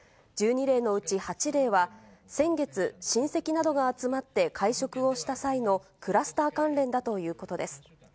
１２例のうち８例は、先月、親戚などが集まって会食をした際のクラスター関連だということです。